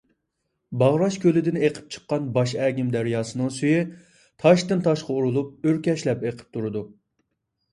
باغراش كۆلىدىن ئىېقىپ چىقىدىغان باش ئەگىم دەرياسىنىڭ سۈيى تاشتىن - تاشقا ئۇرۇلۇپ ئۆركەشلەپ ئىېقىپ تۇرۇدۇ .